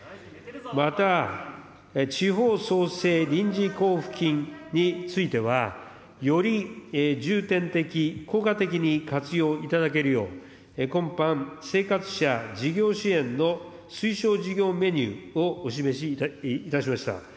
また、地方創生臨時交付金については、より重点的、効果的に活用いただけるよう、今般、生活者事業支援の推奨事業メニューをお示しいたしました。